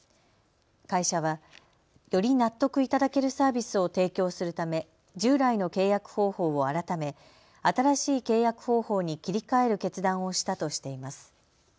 会社は、より納得いただけるサービスを提供するため従来の契約方法を改め、新しい契約方法に切り替える決断をしたとしています。